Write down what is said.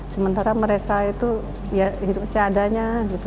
sementara mereka itu hidup seadanya